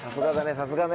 さすがだね。